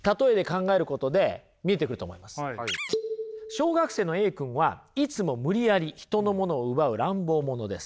小学生のＡ君はいつも無理やり人のものを奪う乱暴者です。